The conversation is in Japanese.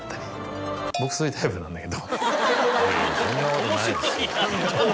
いやそんなことないです。